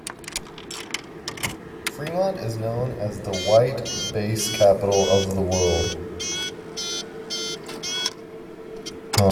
Fremont is known as "the white bass capital of the world".